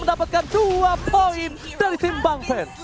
mendapatkan dua poin dari tim bang pen